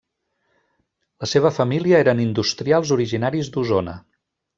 La seva família eren industrials originaris d'Osona.